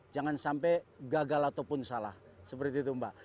jangan sampai gagal ataupun salah seperti itu mbak